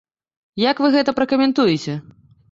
Як вы гэта пракаментуеце?